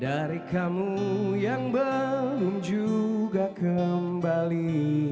dari kamu yang belum juga kembali